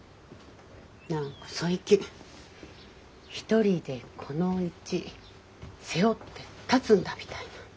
何か最近一人でこのうち背負って立つんだみたいな。